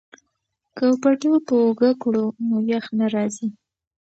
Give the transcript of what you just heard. که پټو په اوږه کړو نو یخ نه راځي.